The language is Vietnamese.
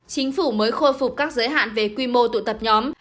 chính phủ mới khôi phục các giới hạn về quy mô tụ tập nhóm